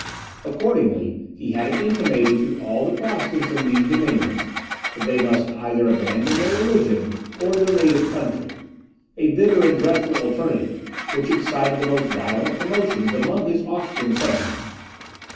Accordingly he had it intimated to all the Protestants in these dominions, that they must either abandon their religion, or their native country, a bitter and dreadful alternative, which excited the most violent commotions among his Austrian subjects.